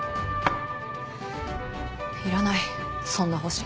いらないそんな保身。